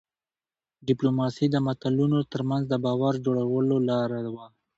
ډيپلوماسي د ملتونو ترمنځ د باور جوړولو لار وه.